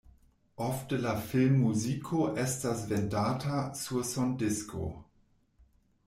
Ofte la filmmuziko estas vendata sur sondisko.